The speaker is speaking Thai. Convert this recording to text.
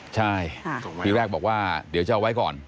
ใช่ทีแรกบอกว่าเดี๋ยวจะเอาไว้ก่อน